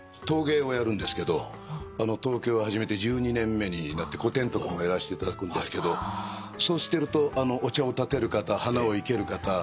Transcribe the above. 陶芸をやるんですけど始めて１２年目になって個展とかもやらせていただくんですけどそうしてるとお茶をたてる方花を生ける方